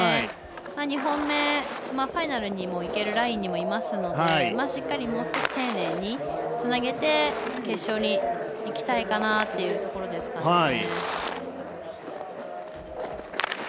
２本目、ファイナルにもいけるラインにいますのでしっかり丁寧につなげて決勝にいきたいかなというところですかね。